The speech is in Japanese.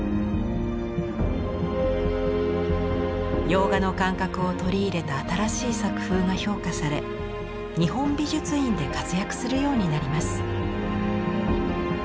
洋画の感覚を取り入れた新しい作風が評価され日本美術院で活躍するようになります。